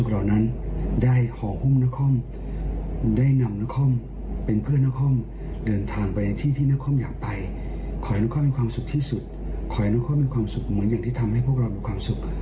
ที่สุดขอให้นักคอมมีความสุขเหมือนอย่างที่ทำให้พวกเรามีความสุข